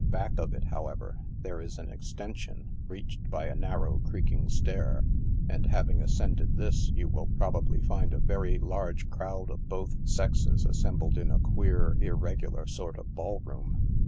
Back of it, however, there is an extension, reached by a narrow, creaking stair, and hav ing ascended this, you will probably find a very large crowd of both sexes assembled in a queer, irregular sort of ball room.